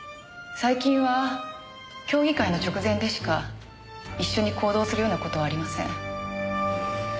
最近は競技会の直前でしか一緒に行動するような事はありません。